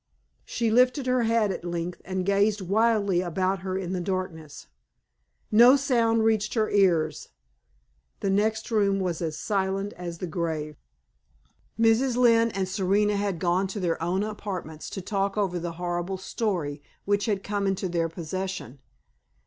She lifted her head at length, and gazed wildly about her in the darkness. No sound reached her ears; the next room was as silent as the grave. Mrs. Lynne and Serena had gone to their own apartments to talk over the horrible story which had come into their possession.